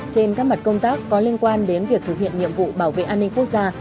trên các mặt công tác có liên quan đến việc thực hiện nhiệm vụ bảo vệ an ninh quốc gia